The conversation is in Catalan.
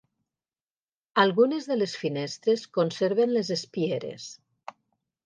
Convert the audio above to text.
Algunes de les finestres conserven les espieres.